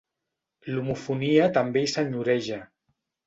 L'homofonia també hi senyoreja.